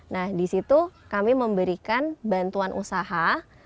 nah di situ kami memberikan bantuan usaha